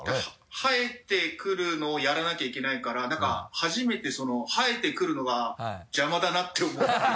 生えてくるのをやらなきゃいけないから何か初めて生えてくるのが邪魔だなって思うっていう。